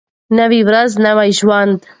نوی ورځ نوی ژوند.